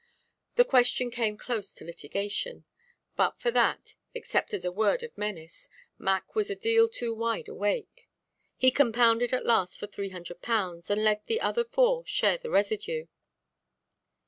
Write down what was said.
The question came close to litigation; but for that, except as a word of menace, Mac was a deal too wide awake. He compounded at last for 300_l._ and let the other four share the residue.